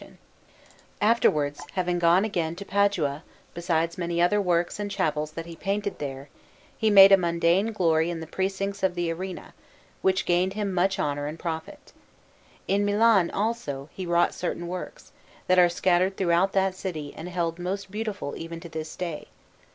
Padua: Arena Chapel)] Afterwards, having gone again to Padua, besides many other works and chapels that he painted there, he made a Mundane Glory in the precincts of the Arena, which gained him much honour and profit. In Milan, also, he wrought certain works, that are scattered throughout that city and held most beautiful even to this day.